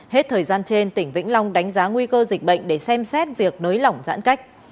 hết thời gian trên tỉnh vĩnh long đánh giá nguy cơ dịch bệnh để xem xét việc nới lỏng giãn cách